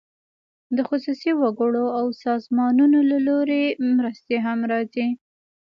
د خصوصي وګړو او سازمانونو له لوري مرستې هم راځي.